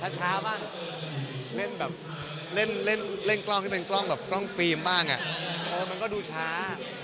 ช้าบ้างเล่นกล้องที่เป็นกล้องฟิล์มบ้างอะมันก็ดูช้า